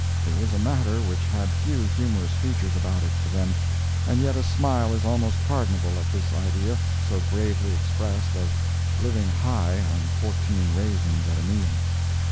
It was a matter which had few humorous features about it to them, and yet a smile is almost pardonable at this idea, so gravely expressed, of "living high" on fourteen raisins at a meal.